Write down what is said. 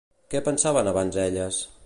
Què pensaven abans elles?